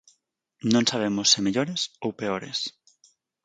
Non sabemos se mellores ou peores.